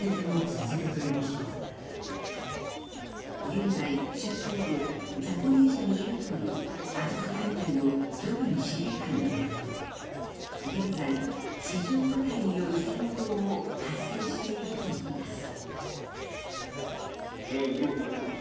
現在、中東部ザポリージャにいるというアゾフ大隊のジョリン司令官によると現在、地上部隊による戦闘も発生しているといいます。